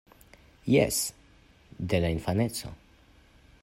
Jes, de la infaneco!